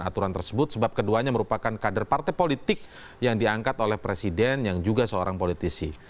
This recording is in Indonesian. terimakasih bisa diangkat oleh presiden yang juga seorang politisi